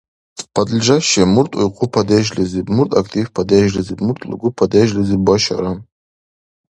Подлежащее мурт уйхъу падежлизиб, мурт актив падежлизиб, мурт лугу падежлизиб башара?